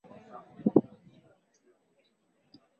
Mji mkuu wa Botswana ni Gaborone